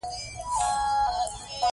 هغه چتر لري کړو.